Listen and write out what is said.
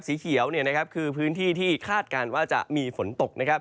สีเขียวคือพื้นที่ที่คาดการณ์ว่าจะมีฝนตกนะครับ